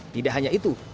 tidak hanya itu